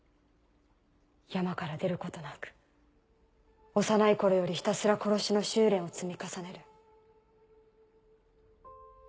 山から出ることなく幼い頃よりひたすら殺しの修練を積み重ねる。